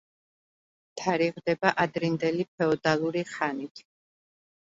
თარიღდება ადრინდელი ფეოდალური ხანით.